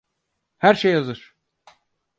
Her şey hazır.